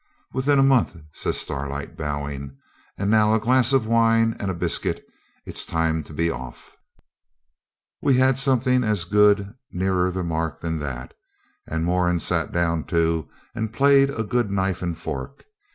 'Within a month,' says Starlight, bowing. 'And now a glass of wine and a biscuit, it's time to be off.' We had something as good, nearer the mark than that, and Moran sat down too, and played a good knife and fork.